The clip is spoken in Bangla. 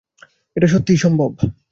এটা সত্যিই বাস্তব।